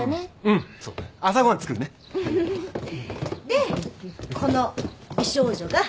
でこの美少女が。